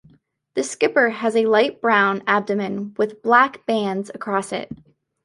The skipper has a light-brown abdomen with black bands across it.